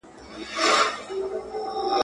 o ماهى چي هر وخت له اوبو راوکاږې، تازه وي.